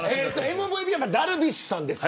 ＭＶＰはダルビッシュさんですか。